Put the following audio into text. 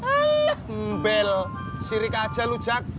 alah mbel sirik aja lo jack